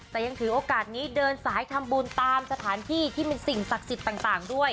แต่ยังถือโอกาสนี้เดินสายทำบุญตามสถานที่ที่มีสิ่งศักดิ์สิทธิ์ต่างด้วย